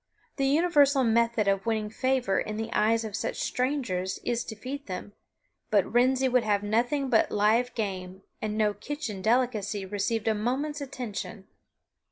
The universal method of winning favor in the eyes of such strangers is to feed them; but Wrensie would have nothing but live game, and no kitchen delicacy received a moment's attention.